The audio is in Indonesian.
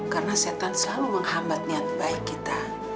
karena setan selalu menghambat niat baik kita